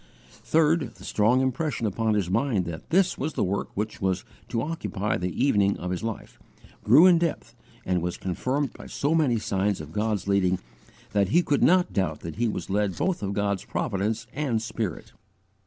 3. The strong impression upon his mind that this was the work which was to occupy the 'evening of his life,' grew in depth, and was confirmed by so many signs of God's leading that he could not doubt that he was led both of God's providence and Spirit.